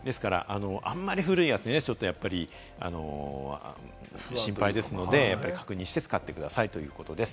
あんまり古いやつはちょっとね、心配ですので、確認して使ってくださいということです。